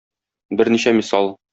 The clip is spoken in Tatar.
Берничә мисал.